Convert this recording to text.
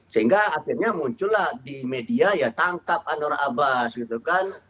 sehingga akhirnya muncullah di media ya tangkap anwar abbas gitu kan